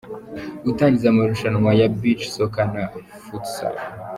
Gutangiza amarushanwa ya Beach Soccer na Futsal.